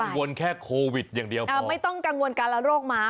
วนแค่โควิดอย่างเดียวไม่ต้องกังวลการละโรคม้า